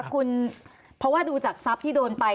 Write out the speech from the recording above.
คุณเพราะว่าดูจากทรัพย์ที่โดนไป